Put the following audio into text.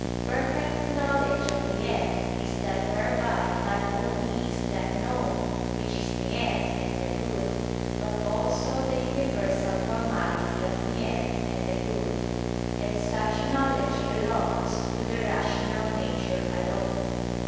Perfect knowledge of the end, is that whereby not only is that known which is the end and the good, but also the universal formality of the end and the good; and such knowledge belongs to the rational nature alone.